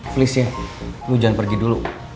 please ya lo jangan pergi dulu